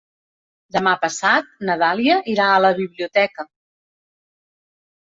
Demà passat na Dàlia irà a la biblioteca.